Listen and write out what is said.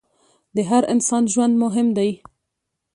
د هر انسان ژوند مهم دی.